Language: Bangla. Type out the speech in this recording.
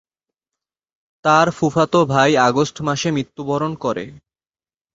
তার ফুফাতো ভাই আগস্ট মাসে মৃত্যুবরণ করে।